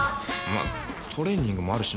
まあトレーニングもあるしな。